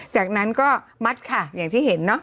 จากนั้นก็มัดค่ะอย่างที่เห็นเนาะ